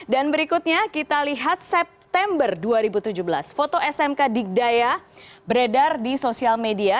dan berikutnya kita lihat september dua ribu tujuh belas foto smk di gdaya beredar di sosial media